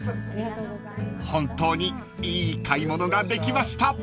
［本当にいい買い物ができました］